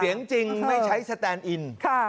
เสียงจริงไม่ใช้สแตนอิน